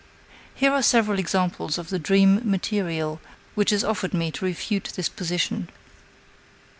Here are several examples of the dream material which is offered me to refute this position.